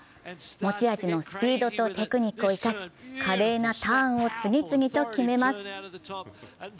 持ち味のスピードとテクニックを生かし華麗なターンを次々と決めます。